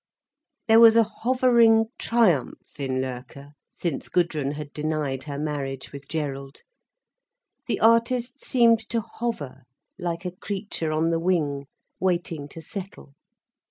There was a hovering triumph in Loerke, since Gudrun had denied her marriage with Gerald. The artist seemed to hover like a creature on the wing, waiting to settle.